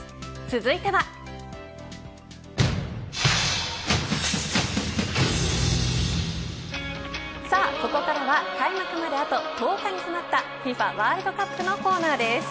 続いては。さあ、ここからは開幕まであと１０日に迫ったＦＩＦＡワールドカップのコーナーです。